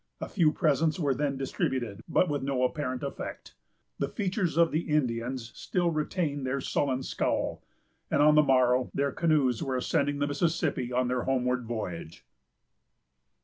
A few presents were then distributed, but with no apparent effect. The features of the Indians still retained their sullen scowl; and on the morrow their canoes were ascending the Mississippi on their homeward voyage.